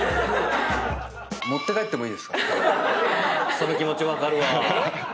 その気持ち分かるわぁ。